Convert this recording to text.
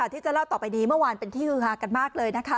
ที่จะเล่าต่อไปนี้เมื่อวานเป็นที่ฮือฮากันมากเลยนะคะ